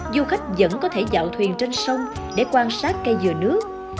du khách vẫn có thể dạo thuyền trên sông để quan sát cây dừa nước